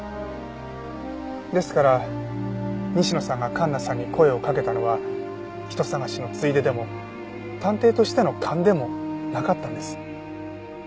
ですから西野さんが環奈さんに声をかけたのは人捜しのついででも探偵としての勘でもなかったんです。